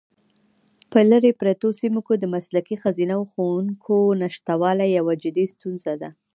په لیرې پرتو سیمو کې د مسلکي ښځینه ښوونکو نشتوالی یوه جدي ستونزه ده.